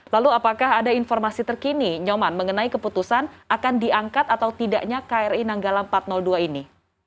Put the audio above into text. lalu apakah ada informasi terkini nyoman mengenai keputusan akan diangkat atau tidaknya kri nanggala empat ratus dua ini